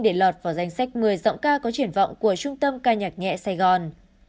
để lọt vào danh sách một mươi giọng ca có triển vọng của trung tâm ca nhạc nhẹ sài gòn